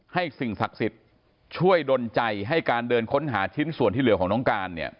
สิ่งศักดิ์สิทธิ์ช่วยดนใจให้การเดินค้นหาชิ้นส่วนที่เหลือของน้องการเนี่ย